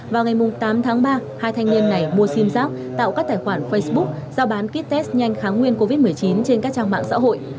vào ngày tám tháng ba hai thanh niên này mua sim giác tạo các tài khoản facebook giao bán ký test nhanh kháng nguyên covid một mươi chín trên các trang mạng xã hội